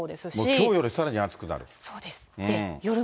きょうよりさらに暑くなる？